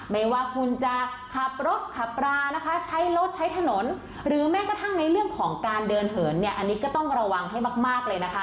ไม่ว่าคุณจะขับรถขับรานะคะใช้รถใช้ถนนหรือแม้กระทั่งในเรื่องของการเดินเหินเนี่ยอันนี้ก็ต้องระวังให้มากเลยนะคะ